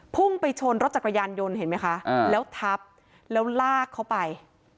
พุ่งไปชนรถจักรยานยนต์เห็นไหมคะแล้วทับแล้วลากเขาไป